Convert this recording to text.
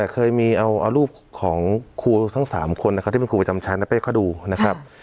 เคยมีเอารูปของครูทั้ง๓คนนะครับที่เป็นครูประจำชั้นนะเป้เขาดูนะครับ